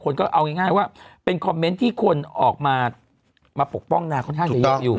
ก็เอาง่ายว่าเป็นคอมเมนต์ที่คนออกมาปกป้องนาค่อนข้างจะเยอะอยู่